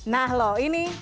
nah loh ini